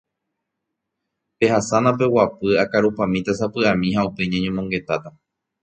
Pehasána peguapy akarupamíta sapy'ami ha upéi ñañomongetáta.